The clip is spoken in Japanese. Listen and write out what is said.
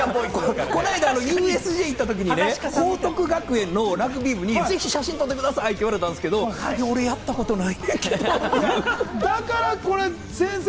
この間、ＵＳＪに行ったときに、報徳学園のラグビー選手にぜひ写真撮ってください！って言われたんですけど、俺やったことないねんけどって。